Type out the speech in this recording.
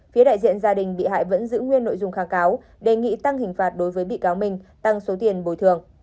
phía đại diện gia đình bị hại vẫn giữ nguyên nội dung kháng cáo đề nghị tăng hình phạt đối với bị cáo minh tăng số tiền bồi thường